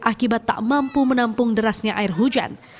akibat tak mampu menampung derasnya air hujan